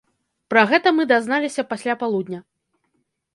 Пра гэта мы дазналіся пасля полудня.